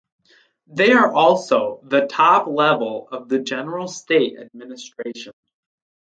They are also the top level of the General State Administration.